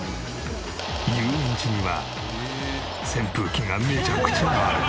遊園地には扇風機がめちゃくちゃある。